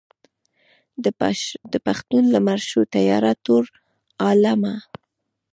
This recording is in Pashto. د پښتون لمر شو تیاره تور عالمه.